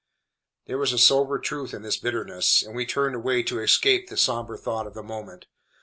There was a sober truth in this bitterness, and we turned away to escape the sombre thought of the moment.